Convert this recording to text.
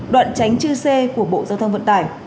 đoạn tránh chư sê của bộ giao thông vận tải